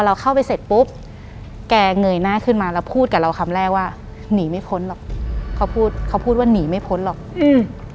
เราเข้าไปเสร็จปุ๊บแกเงยหน้าขึ้นมาแล้วพูดกับเราคำแรกว่าหนีไม่พ้นหรอกเขาพูดเขาพูดว่าหนีไม่พ้นหรอกอืม